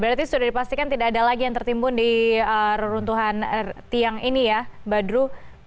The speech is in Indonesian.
berarti sudah dipastikan tidak ada lagi yang tertimbun di reruntuhan tiang ini ya badru